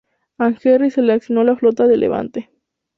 A Henri se le asignó la flota de Levante.